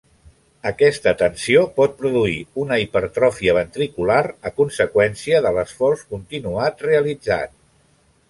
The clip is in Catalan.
Aquesta tensió pot produir una hipertròfia ventricular a conseqüència de l'esforç continuat realitzat.